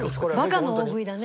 バカの大食いだね。